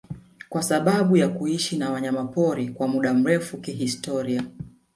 kwa sababu ya kuishi na wanyamapori kwa muda mrefu kihistoria